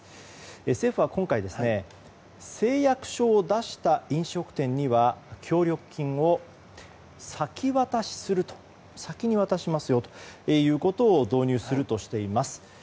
政府は今回誓約書を出した飲食店には協力金を先渡しするということを導入するとしています。